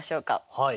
はい。